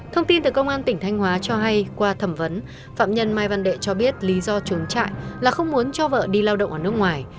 thông tin từ công an tỉnh thanh hóa cho hay qua thẩm vấn phạm nhân mai văn đệ cho biết lý do trốn trại là không muốn cho vợ đi lao động ở nước ngoài